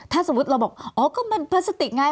ถ้าสมมุติเราบอกอ๋อก็มันพลาสติกง่าย